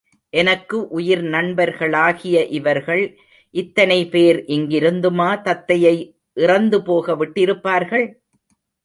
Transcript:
எனக்கு உயிர் நண்பர்களாகிய இவர்கள் இத்தனை பேர் இங்கிருந்துமா தத்தையை இறந்துபோக விட்டிருப்பார்கள்?